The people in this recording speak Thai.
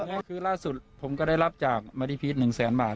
นี่คือล่าสุดผมก็ได้รับจากมาดีพีธ๑๐๐๐๐๐บาท